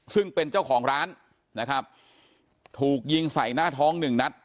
ซึ่งเป็นเจ้าของร้านนะครับถูกยิงใส่หน้าท้องหนึ่งนัด